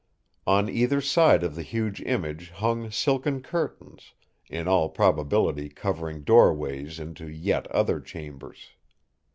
On either side of the huge image hung silken curtains, in all probability covering doorways into yet other chambers.